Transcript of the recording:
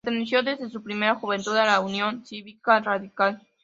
Perteneció desde su primera juventud a la Unión Cívica Radical.